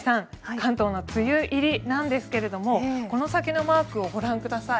関東の梅雨入りなんですけどもこの先のマークをご覧ください。